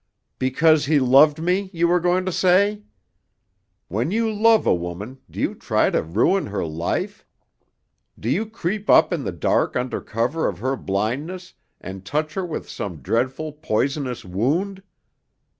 "Because he loved me, you were going to say? When you love a woman, do you try to ruin her life? Do you creep up in the dark under cover of her blindness and touch her with some dreadful, poisonous wound?